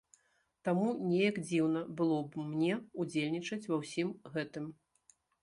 Таму неяк дзіўна было б мне ўдзельнічаць ва ўсім гэтым.